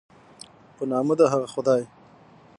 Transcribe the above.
په نامه د هغه خدای